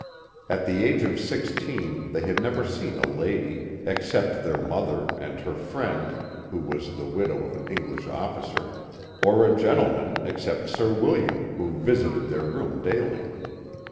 At the age (jf sixteen they had never seen a lady, except their mother and her friend (who was the widow of an English officer), or a gen tleman except Sir William, who visited their room daily.